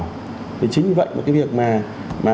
thì chính vì vậy mà cái việc mà